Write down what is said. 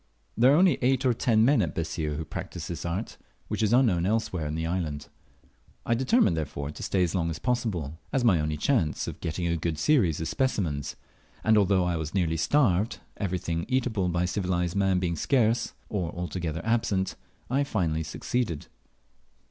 There are only eight or ten men at Bessir who practise this art, which is unknown anywhere else in the island. I determined, therefore, to stay as long as possible, as my only chance of getting a good series of specimens; and although I was nearly starved, everything eatable by civilized man being scarce or altogether absent, I finally succeeded.